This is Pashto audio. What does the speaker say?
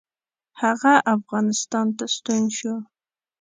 هغه افغانستان ته ستون شو.